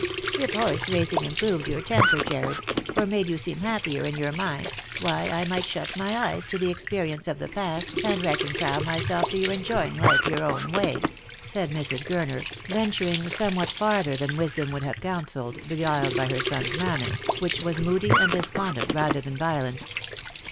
" It liorse raciug improved your temper, Jarred, or made you seem happier in your mind, why I might shut my eyes to the experience of the past, and reconcile myself to your enjoying life your own way," said Mrs. Gurner, venturing somewhat farther than wisdom would have counselled, beguiled by her son's manner, which was moody and despondent rather than violent.